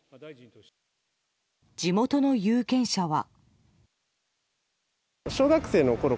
地元の有権者は。